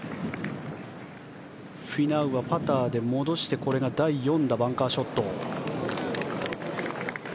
フィナウはパターで戻してこれが第４打、バンカーショット。